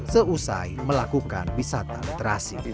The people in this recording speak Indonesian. seusai melakukan wisata literasi